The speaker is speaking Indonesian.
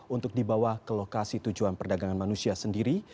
untuk dibawa ke lokasi tujuan perdagangan manusia sendiri